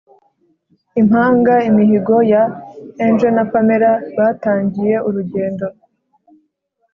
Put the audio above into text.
Impanga! Imihigo ya angel&pamella batangiye urugendo